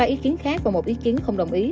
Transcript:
ba ý kiến khác và một ý kiến không đồng ý